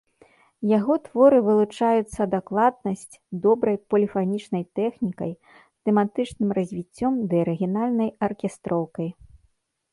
Яго творы вылучаюцца дакладнасць, добрай поліфанічнай тэхнікай, тэматычным развіццём ды арыгінальнай аркестроўкай.